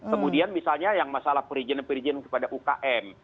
kemudian misalnya yang masalah perizinan perizinan kepada ukm